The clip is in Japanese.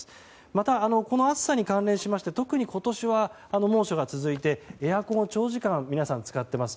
また、この暑さに関連しまして特に今年は猛暑が続いて、エアコンを長時間皆さん、使っています。